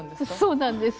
そうなんです。